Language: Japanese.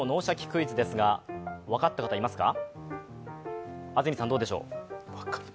クイズ」ですが、分かった方、いますか？